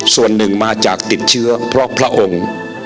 ส่วนหนึ่งมาจากติดเชื้อเพราะพระองค์